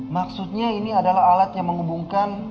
maksudnya ini adalah alat yang menghubungkan